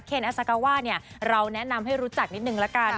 เคนอสากาว่าเนี่ยเราแนะนำให้รู้จักนิดหนึ่งแล้วกัน